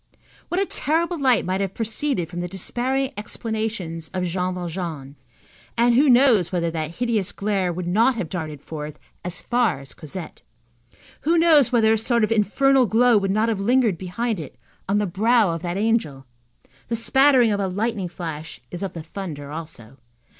What a terrible light might have proceeded from the despairing explanations of Jean Valjean, and who knows whether that hideous glare would not have darted forth as far as Cosette? Who knows whether a sort of infernal glow would not have lingered behind it on the brow of that angel? The spattering of a lightning flash is of the thunder also.